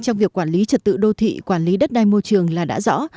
trong việc quản lý trật tự đô thị quản lý đất đai môi trường là đã rõ